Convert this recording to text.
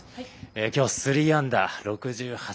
きょう、３アンダー、６８。